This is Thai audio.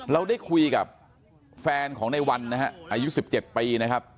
เราได้คุยกับแฟนของในวันนะฮะอายุ๑๗ปีนะครับ